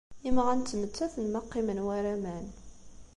Imɣan ttmettaten ma qqimen war aman.